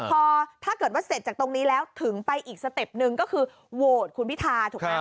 พอถ้าเกิดว่าเสร็จจากตรงนี้แล้วถึงไปอีกสเต็ปหนึ่งก็คือโหวตคุณพิธาถูกไหม